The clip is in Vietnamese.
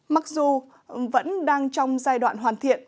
mặc dù vẫn đang trong giai đoạn